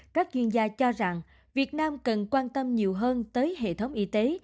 các chuyên gia cho rằng việt nam cần quan tâm nhiều hơn tới hệ thống y tế